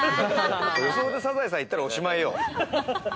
予想でサザエさん言ったらおしまいよ。